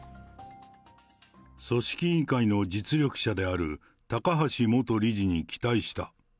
組織委員会の実力者である高橋元理事に期待した。